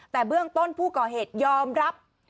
แต่เบื้องต้นผู้ก่อเหตุยอมรับ